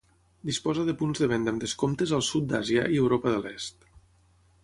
Disposa de punts de venda amb descomptes al sud d'Àsia i Europa de l'Est.